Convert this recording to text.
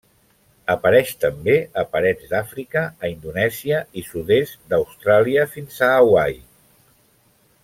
Apareix també a parets d'Àfrica, a Indonèsia i sud-est d'Austràlia fins a Hawaii.